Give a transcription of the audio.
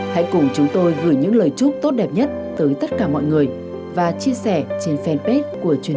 hãy cùng chúng tôi gửi những lời chúc tốt đẹp nhất tới tất cả mọi người và chia sẻ trên fanpage của truyền hình